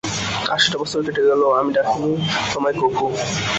আশিটা বছর কেটে গেল, আমি ডাকিনি তোমায় কভু।